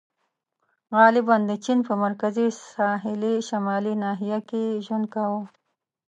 • غالباً د چین په مرکزي ساحلي شمالي ناحیه کې یې ژوند کاوه.